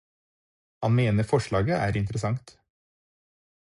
Han mener forslaget er interessant.